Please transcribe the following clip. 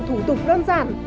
thủ tục đơn giản